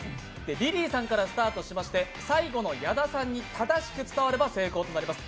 リリーさんからスタートしまして最後の矢田さんに正しく伝われば成功となります。